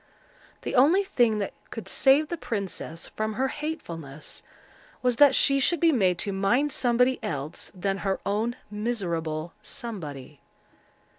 The only thing that could save the princess from her hatefulness, was that she should be made to mind somebody else than her own miserable Somebody.